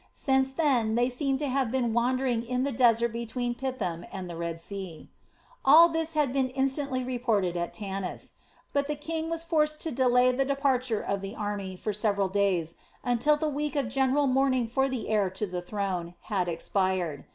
Since then they seemed to have been wandering in the desert between Pithom and the Red Sea. All this had been instantly reported at Tanis, but the king was forced to delay the departure of the army for several days until the week of general mourning for the heir to the throne had expired.